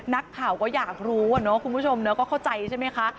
นักข่าวก็อยากรู้คุณผู้ชมก็เข้าใจใช่ไหมคะ